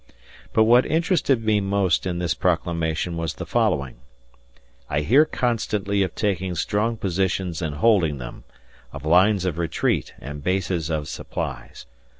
But what interested me most in this proclamation was the following: I hear constantly of taking strong positions and holding them, of lines of retreat and bases of supplies.